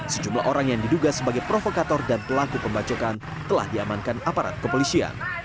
sejumlah orang yang diduga sebagai provokator dan pelaku pembacokan telah diamankan aparat kepolisian